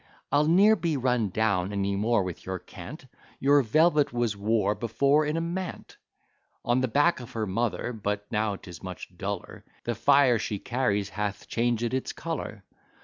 I'll ne'er be run down any more with your cant; Your velvet was wore before in a mant, On the back of her mother; but now 'tis much duller, The fire she carries hath changed its colour.